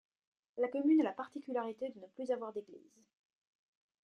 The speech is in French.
La commune a la particularité de ne plus avoir d'église.